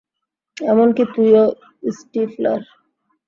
এমনকি তুইও, স্টিফলার।